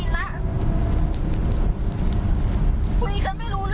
อยากเข้าสังคมที่ดูดี